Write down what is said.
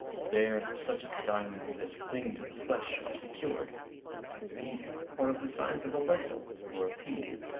There such of the diamonds as cling to the flesh are secured; these are of the size of a lentil or a pea.